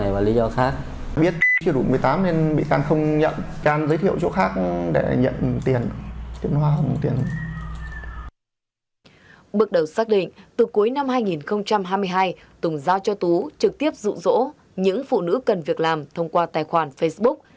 bước đầu xác định từ cuối năm hai nghìn hai mươi hai tùng giao cho tú trực tiếp dụ dỗ những phụ nữ cần việc làm thông qua tài khoản facebook